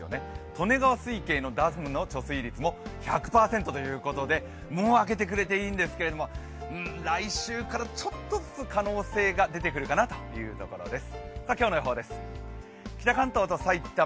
利根川水系のダムの貯水率も１００％ということでもう明けてくれていいんですけど来週からちょっとずつ可能性が出てくるかなというところです。